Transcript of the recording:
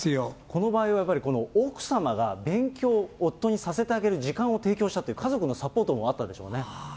この場合はやはり奥様が勉強を夫にさせてあげる時間を提供したという、家族のサポートもあったんでしょうね。